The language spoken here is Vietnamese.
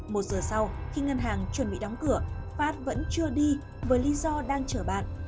một giờ sau khi ngân hàng chuẩn bị đóng cửa phát vẫn chưa đi với lý do đang chở bạn